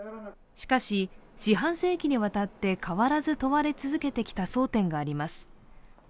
しかし、四半世紀にわたって変わらず問われ続けてきた争点があります。